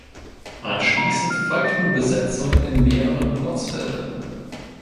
Anschließend folgten Besetzungen in mehreren Kurzfilmen.